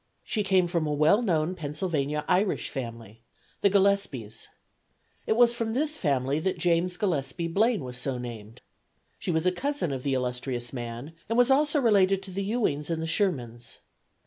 She came from a well known Pennsylvania Irish family the Gillespies. It was from this family that James Gillespie Blaine was so named. She was a cousin of the illustrious man, and was also related to the Ewings and the Shermans.